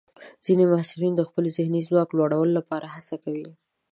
ځینې محصلین د خپل ذهني ځواک لوړولو هڅه کوي.